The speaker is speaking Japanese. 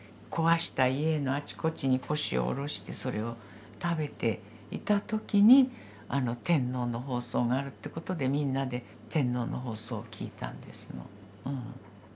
壊した家のあちこちに腰を下ろしてそれを食べていた時に天皇の放送があるっていうことでみんなで天皇の放送を聴いたんですの。